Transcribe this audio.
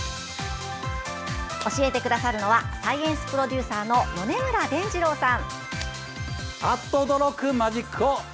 教えてくださるのはサイエンスプロデューサーの米村でんじろうさん。